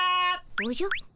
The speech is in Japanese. おじゃ？